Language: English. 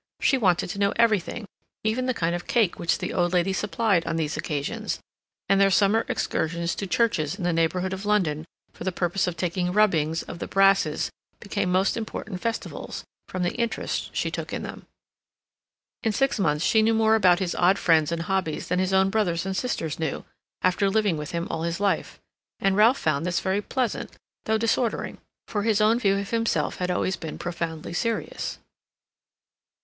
She wanted to know everything, even the kind of cake which the old lady supplied on these occasions; and their summer excursions to churches in the neighborhood of London for the purpose of taking rubbings of the brasses became most important festivals, from the interest she took in them. In six months she knew more about his odd friends and hobbies than his own brothers and sisters knew, after living with him all his life; and Ralph found this very pleasant, though disordering, for his own view of himself had always been profoundly serious.